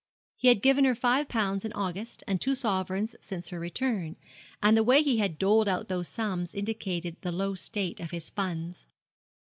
He had given her five pounds in August, and two sovereigns since her return, and the way he had doled out those sums indicated the low state of his funds.